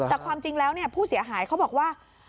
แต่ความจริงแล้วผู้เสียหายเขาบอกว่า